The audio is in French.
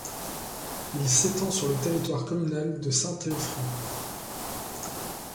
Il s'étend sur le territoire communal de Saint-Théoffrey.